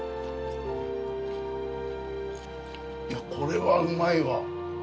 これはうまいわ。